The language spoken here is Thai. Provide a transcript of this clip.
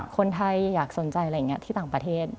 คนไทยอยากสนใจอะไรอย่างนี้ที่ต่างประเทศ